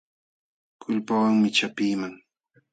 Kulpawanmi chapiiman.